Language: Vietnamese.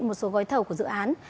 một số gói thầu của dự án